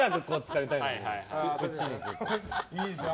いいですね。